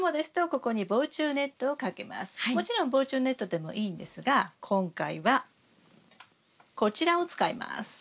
もちろん防虫ネットでもいいんですが今回はこちらを使います。